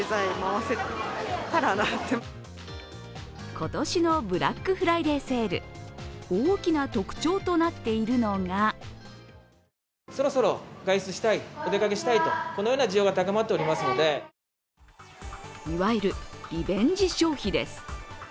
今年のブラックフライデーセール、大きな特徴となっているのがいわゆるリベンジ消費です。